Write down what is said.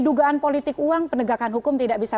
dugaan politik uang penegakan hukum tidak bisa